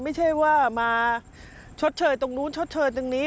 ไม่ใช่ว่ามาชดเชยตรงนู้นชดเชยตรงนี้